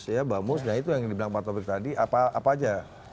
ya bamus nah itu yang dibilang pak taufik tadi apa aja